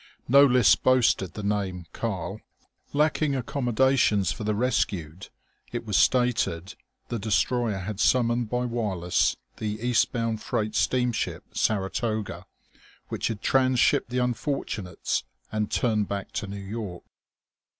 No list boasted the name "Karl." Lacking accommodations for the rescued, it was stated, the destroyer had summoned by wireless the east bound freight steamship Saratoga, which had trans shipped the unfortunates and turned back to New York....